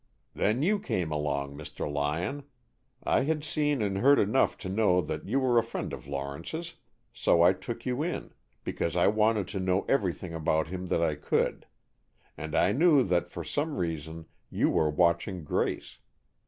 "Then you came along, Mr. Lyon. I had seen and heard enough to know that you were a friend of Lawrence's, so I took you in, because I wanted to know everything about him that I could. And I knew that for some reason you were watching Grace.